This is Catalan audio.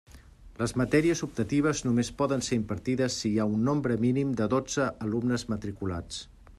Les matèries optatives només poden ser impartides si hi ha un nombre mínim de dotze alumnes matriculats.